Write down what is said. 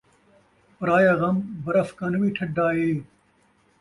پرایا غم برف کن وی ٹھڈھا اے